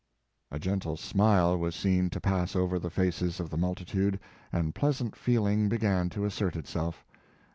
A gentle smile was seen to pass over the faces of the multitude, and pleasant feeling began to assert itself.